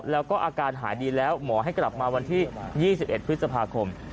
แล้วก็อาการหายดีแล้วหมอให้กลับมาวันที่๒๑พฤษภาคม